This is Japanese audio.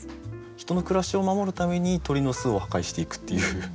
人の暮らしを守るために鳥の巣を破壊していくっていう。